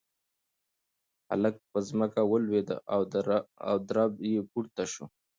هلک په ځمکه ولوېد او درب یې پورته شو.